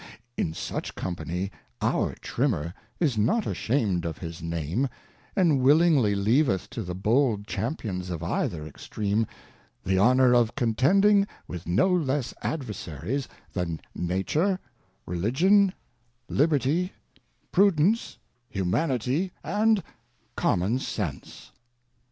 In such Company, our Trimmer is not asham'd of his Name, and willingly leaveth to the bold Champions of either Extream, the Honour of contending with no less Adversaries, than Nature, Religion, Liberty, Prudence, Humanity a nd Common Sense.